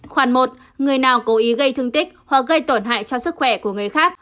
khoản một người nào cố ý gây thương tích hoặc gây tổn hại cho sức khỏe của người khác